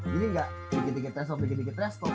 jadi nggak dikit dikit trash talk dikit dikit trash talk